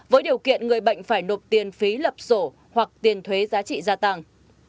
với điều kiện người bệnh phải nộp tiền phí lập sổ hoặc tiền thuế giá trị gia tăng